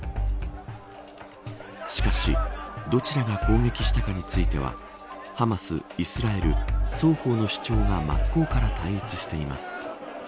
しかしどちらが攻撃したかについてはハマス、イスラエル双方の主張が真っ向から対立しています。